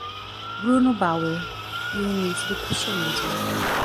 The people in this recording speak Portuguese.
Bruno Bauer e o Início do Cristianismo